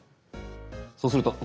そうするとここ！